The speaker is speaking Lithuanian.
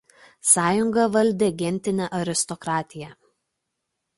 Sąjungą valdė gentinė aristokratija.